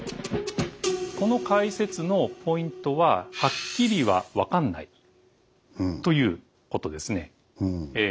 この解説のポイントは「はっきりは分かんない」ということですね。